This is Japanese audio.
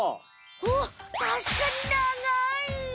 おったしかに長い！